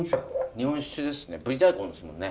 日本酒ですね。